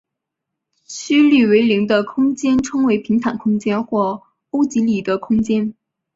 曲率为零的空间称为平坦空间或欧几里得空间。